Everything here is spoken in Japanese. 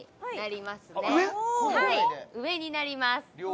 はい上になります